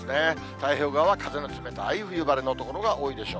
太平洋側は風の冷たい冬晴れの所が多いでしょう。